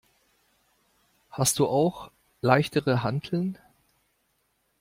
Hast du auch leichtere Hanteln?